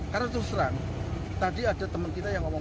karena terserang tadi ada teman kita yang ngomong